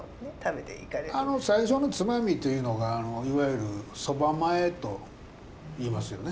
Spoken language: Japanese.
あの最初のつまみというのがいわゆる「蕎麦前」といいますよね。